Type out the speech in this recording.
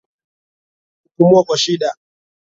Kupumua kwa shida